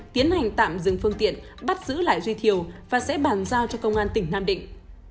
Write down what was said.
tiến hành tạm dừng phương tiện bắt giữ lại duy thiều và sẽ bàn giao cho công an tỉnh nam định